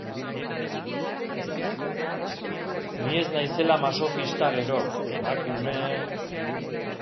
Ni ez naizela masokista gero, emakume...